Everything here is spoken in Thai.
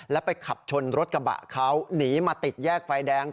แล้วไปขับชนรถกระบะเขาหนีมาติดแยกไฟแดง